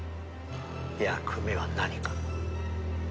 「役目は何か？」